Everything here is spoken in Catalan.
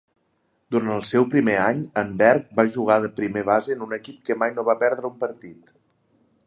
Durant el seu primer any, en Berg va jugar de primer base en un equip que mai no va perdre un partit.